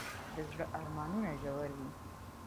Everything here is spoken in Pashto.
د زړه ارمانونه ژور وي.